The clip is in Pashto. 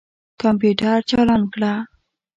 کمپیوټر چالان کړه.